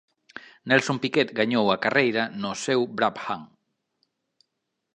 Nelson Piquet gañou a carreira no seu Brabham.